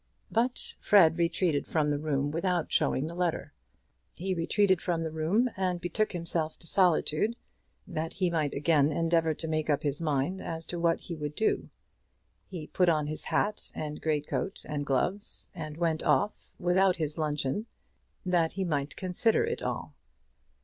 But Fred retreated from the room without showing the letter. He retreated from the room and betook himself to solitude, that he might again endeavour to make up his mind as to what he would do. He put on his hat and his great coat and gloves, and went off, without his luncheon, that he might consider it all.